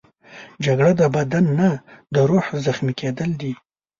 جګړه د بدن نه، د روح زخمي کېدل دي